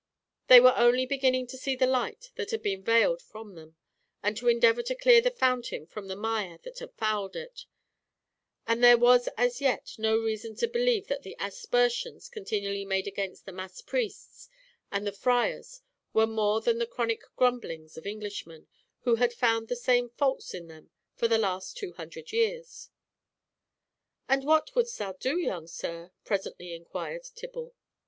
They were only beginning to see the light that had been veiled from them, and to endeavour to clear the fountain from the mire that had fouled it; and there was as yet no reason to believe that the aspersions continually made against the mass priests and the friars were more than the chronic grumblings of Englishmen, who had found the same faults in them for the last two hundred years. "And what wouldst thou do, young sir?" presently inquired Tibble.